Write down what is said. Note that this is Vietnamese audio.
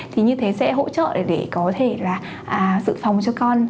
thì như thế sẽ hỗ trợ để có thể là dự phòng cho con